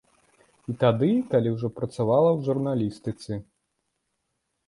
І тады, калі ўжо працавала ў журналістыцы.